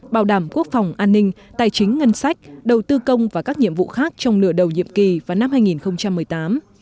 bảo đảm quốc phòng an ninh tài chính ngân sách đầu tư công và các nhiệm vụ khác trong nửa đầu nhiệm kỳ và năm hai nghìn một mươi tám